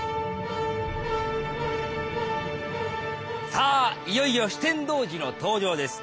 さあいよいよ酒呑童子の登場です。